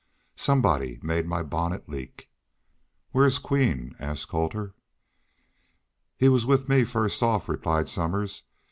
Somebody made my bonnet leak." "Where's Queen?" asked Colter. "He was with me fust off," replied Somers.